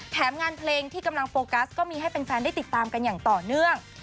แถมงานเพลงที่กำลังโฟกัสก็มีให้แฟนได้ติดตามกันอย่างต่อเนื่อง